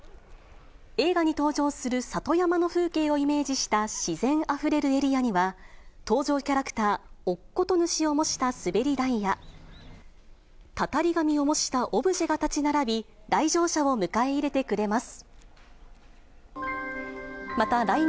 映画に登場する里山の風景をイメージした自然あふれるエリアには、登場キャラクター、乙事主を模した滑り台や、タタリ神を模したオブジェが立ち並び、来場者を迎え入れてくれます。